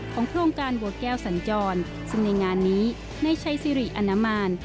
โครงการบัวแก้วสัญจรซึ่งในงานนี้ในชัยสิริอนามาร